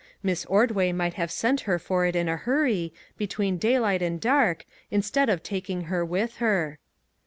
Miss Ordway might have sent her for it in a hurry, between daylight and dark, instead of taking her with her.